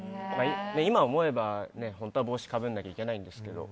今思えば、本当は帽子かぶらなきゃいけないんですけど。